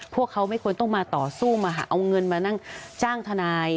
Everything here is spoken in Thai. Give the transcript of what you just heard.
พวกเขาไม่ควรต้องมาต่อสู้มาหาเอาเงินมานั่งจ้างทนาย